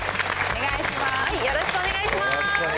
よろしくお願いします。